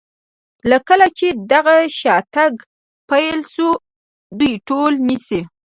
له کله چې دغه شاتګ پیل شوی دوی ټول نیسي.